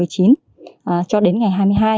cho đến ngày hai mươi hai